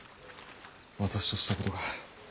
私としたことが。